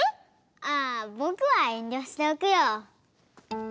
ああぼくはえんりょしておくよ。